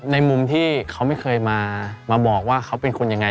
ในมุมที่เขาไม่เคยมาบอกว่าเขาเป็นคนยังไง